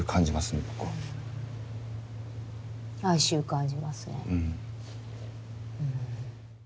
哀愁感じますね。